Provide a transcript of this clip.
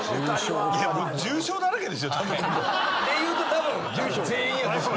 でいうとたぶん全員やと。